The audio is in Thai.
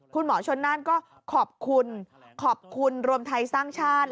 คุณหมอชนน่านก็ขอบคุณขอบคุณรวมไทยสร้างชาติ